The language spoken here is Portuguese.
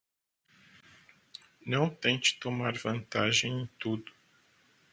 Não tente tomar vantagem em tudo